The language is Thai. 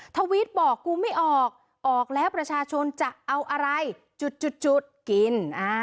ทวิตบอกกูไม่ออกออกแล้วประชาชนจะเอาอะไรจุดกิน